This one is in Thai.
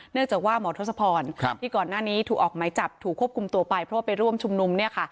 เนื่องจากว่าหมอทศพรที่ก่อนหน้านี้ถูกออกไหมจับถูกควบคุมตัวไปเพราะว่าไปร่วมชุมนุม